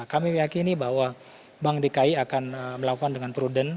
kami meyakini bahwa bank dki akan melakukan dengan prudent